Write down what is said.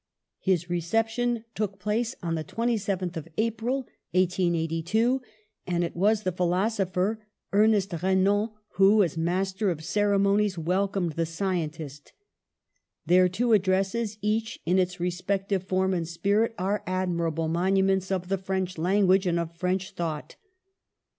His reception took place on the 27th of April, 1882, and it was the philosopher, Ernest Re nan, who as master of ceremonies, welcomed the scientist. Their two addresses, each in its respective form and spirit, are admirable monu ments of the French language and of French thought.